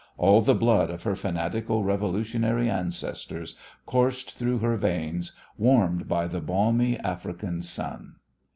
All the blood of her fanatical, revolutionary ancestors coursed through her veins, warmed by the balmy African sun.